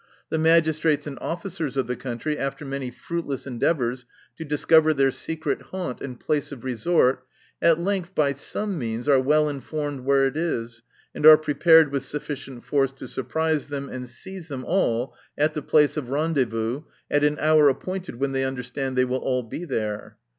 The magistrates and officers of the country, after many fruitless endeavors to discover their secret haunt and place of resort, at length by some means are well informed where it is, and are prepared with sufficient force to surprise them, and seize them all, at the place of rendezvous, at an hour appointed when they understand they will all be there.